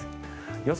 予想